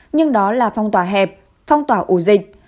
nhưng đó là phong tỏa hẹp phong tỏa ổ dịch